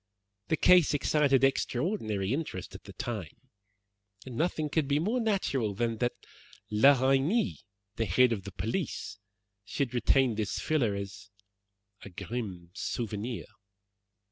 The case excited extraordinary interest at the time, and nothing could be more natural than that La Reynie, the head of the police, should retain this filler as a grim souvenir.